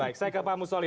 baik saya ke pak mussoly